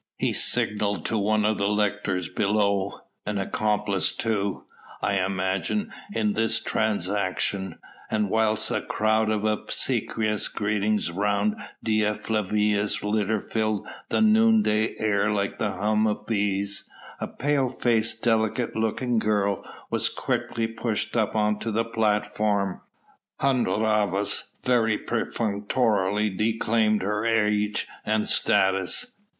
He signalled to one of the lictors below an accomplice too, I imagine, in this transaction and whilst a chorus of obsequious greetings round Dea Flavia's litter filled the noonday air like the hum of bees, a pale faced, delicate looking girl was quickly pushed up on to the platform. Hun Rhavas very perfunctorily declaimed her age and status.